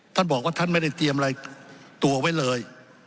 ท่านบอกว่าท่านไม่ได้เตรียมอะไรตัวไว้เลย